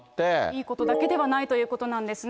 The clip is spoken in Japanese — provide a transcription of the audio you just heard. いいことだけではないということなんですね。